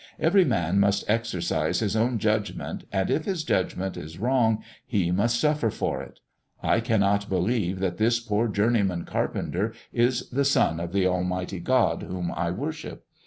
Every man must exercise his own judgment, and if his judgment is wrong he must suffer for it. I cannot believe that this poor journeyman carpenter is the son of the Almighty God whom I worship.